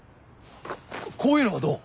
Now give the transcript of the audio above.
こういうのはどう？